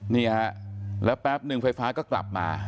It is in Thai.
นี่ฮะแล้วแป๊บนึงไฟฟ้าก็กลับมา